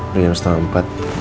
udah jam setengah empat